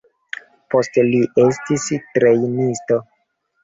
Poste li estis trejnisto.